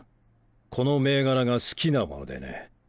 この銘柄が好きなものでね。